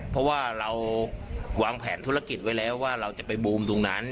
เพราะว่าเราวางแผนธุรกิจไว้แล้วว่าเราจะไปบูมตรงนั้น